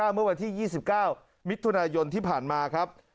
เมื่อวันที่๒๙มิถุนายนที่ผ่านมาครับ